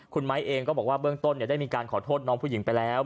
คุณไม้เองก็บอกว่าเบื้องต้นได้มีการขอโทษน้องผู้หญิงไปแล้ว